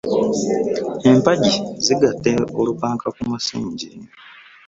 Empagi zigatta olupanka ku musingi.